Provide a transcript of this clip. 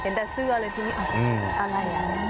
เห็นแต่เสื้อเลยทีนี้อะไรอ่ะ